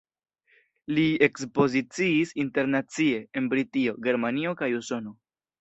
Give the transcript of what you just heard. Li ekspoziciis internacie, en Britio, Germanio kaj Usono.